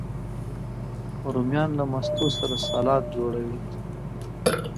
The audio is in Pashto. رومیان له ماستو سره سالاد جوړوي